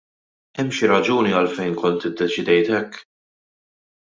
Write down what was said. Hemm xi raġuni għalfejn kont iddeċidejt hekk?